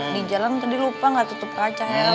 di jalan tadi lupa gak tutup kaca